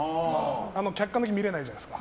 客観的に見れないじゃないですか。